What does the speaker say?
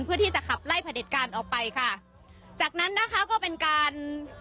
เพื่อที่จะขับไล่พระเด็จการออกไปค่ะจากนั้นนะคะก็เป็นการ